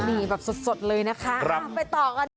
นี่แบบสดเลยนะคะไปต่อกัน